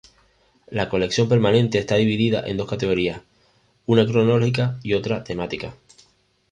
La colección permanente está dividida en dos categorías: una cronológica y otra temática.